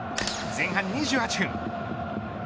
前半２８分。